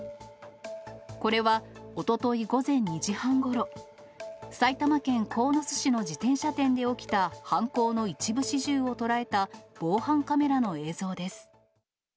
これは、おととい午前２時半ごろ、埼玉県鴻巣市の自転車店で起きた犯行の一部始終を捉えた防犯カメラの映像です。